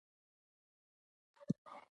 نوی نوښت د پرمختګ اساس دی